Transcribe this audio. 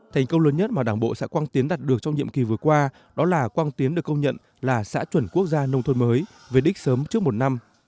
thành công lớn nhất mà đảng bộ xã quang tiến đạt được trong nhiệm kỳ vừa qua đó là quang tiến được công nhận là xã chuẩn quốc gia nông thôn mới về đích sớm trước một năm